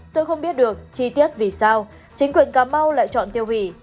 tôi không biết được chi tiết vì sao chính quyền cà mau lại chọn tiêu hủy